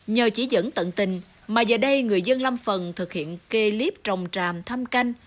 nhờ chỉ dẫn tận tình mà giờ đây người dân lâm phần thực hiện kê lếp trồng tràm thăm canh